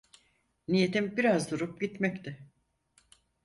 Niyetim biraz durup gitmekti.